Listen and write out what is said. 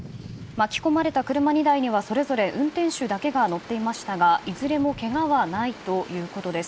巻き込まれた車２台にはそれぞれ運転手だけが乗っていましたがいずれもけがはないということです。